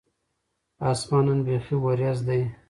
اسمان نن بیخي ور یځ دی